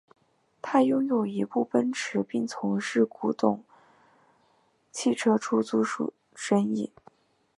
他拥有一部奔驰并从事古董汽车出租的生意。